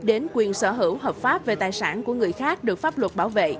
đến quyền sở hữu hợp pháp về tài sản của người khác được pháp luật bảo vệ